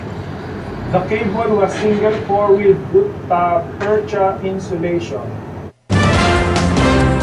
The cable was single-core, with gutta-percha insulation.